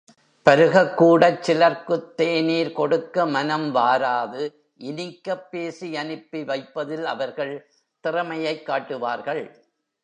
பருகக்கூடச் சிலர்க்குத் தேநீர் கொடுக்க மனம் வாராது இனிக்கப் பேசி அனுப்பி வைப்பதில் அவர்கள் திறமையைக் காட்டுவார்கள்.